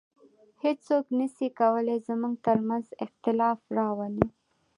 هیڅوک نسي کولای زموږ تر منځ اختلاف راولي